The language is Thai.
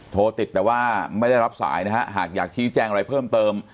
โทรติดแต่ว่าไม่ได้รับสายนะฮะหากอยากชี้แจ้งอะไรเพิ่มเติม